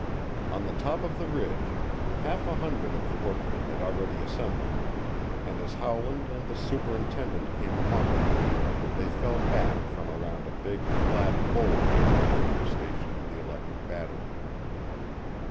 On the top of the ridge half a hundred of the workmen had already assembled, and as Howland and the superintendent came among them they fell back from around a big, flat boulder on which was stationed the electric battery.